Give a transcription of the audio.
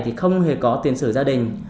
thì không hề có tiền sử gia đình